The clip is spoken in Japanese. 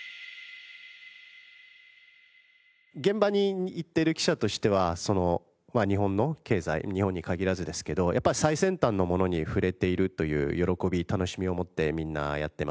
現場に行ってる記者としてはその日本の経済日本に限らずですけどやっぱり最先端のものに触れているという喜び楽しみを持ってみんなやってます。